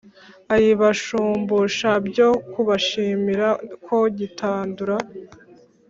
ayibashumbusha byo kubashimira ko gitandura,